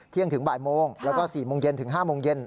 ถึงบ่ายโมงแล้วก็๔โมงเย็นถึง๕โมงเย็น